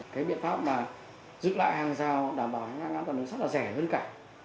cái biện pháp mà giữ lại hàng rào đảm bảo ngăn ngăn toàn đường sắt là rẻ hơn cả